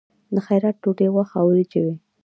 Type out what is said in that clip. د خیرات ډوډۍ غوښه او وریجې وي.